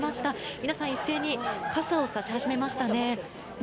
皆さん一斉に傘を差し始めましたね。